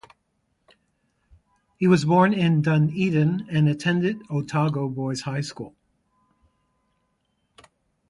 He was born in Dunedin and attended Otago Boys High School.